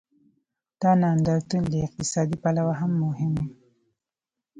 دا نندارتون له اقتصادي پلوه هم مهم و.